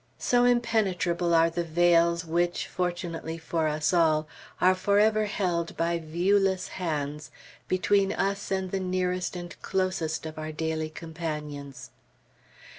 So impenetrable are the veils which, fortunately for us all, are forever held by viewless hands between us and the nearest and closest of our daily companions.